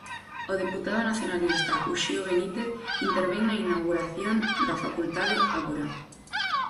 O deputado nacionalista, Uxío Benítez, intervén na inauguración da Facultade Ágora.